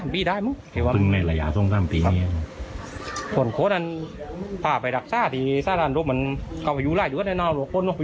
พี่ชาวก็ไฟฟาเพราะครับ